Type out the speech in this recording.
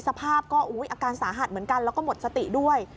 สภาพก็อาการสาหัสเหมือนกันแล้วก็หมดสติด้วย